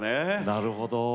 なるほど。